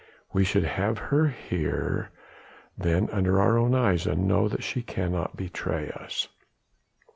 We should have her then under our own eyes and know that she cannot betray us."